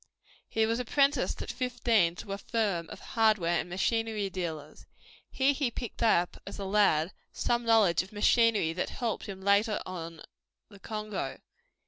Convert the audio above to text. He was apprenticed at fifteen to a firm of hardware and machinery dealers. Here he picked up, as a lad, some knowledge of machinery that helped him later on the Congo.